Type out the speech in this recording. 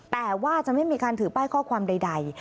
แต่ว่าจะไม่มีการถือป้ายข้อความใด